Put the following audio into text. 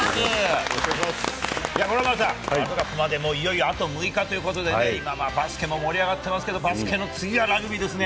五郎丸さん、ワールドカップまでいよいよあと６日ということで、バスケも盛り上がってますけど、バスケの次はラグビーですね。